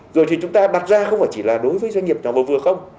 rồi thì chúng ta đặt ra không phải chỉ là đối với doanh nghiệp nhỏ và vừa không